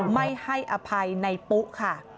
ไม่ให้อภัยในปุ๊ค่ะ